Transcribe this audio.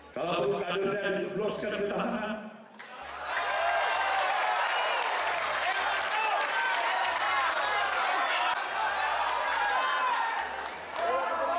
kalau perlu kadernya dicobloskan ketahanan